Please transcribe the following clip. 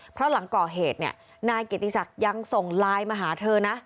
เพราะหลังก่อเหตุเนี่ยนายเกียรติศักดิ์ยังส่งไลน์มาหาเธอนะ